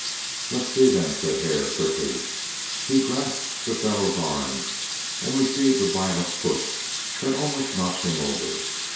"Let's see them," said Hare, quickly. He grasped the fellow's arm and received a violent push that almost knocked him over.